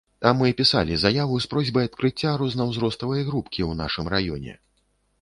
А мы пісалі заяву з просьбай адкрыцця рознаўзроставай групкі ў нашым раёне.